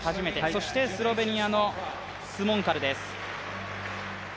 そしてスロベニアのスモンカルです。